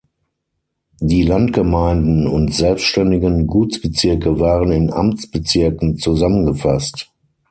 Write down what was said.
Die Landgemeinden und selbstständigen Gutsbezirke waren in Amtsbezirken zusammengefasst.